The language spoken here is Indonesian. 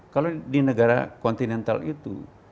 kalau di negara kontinental itu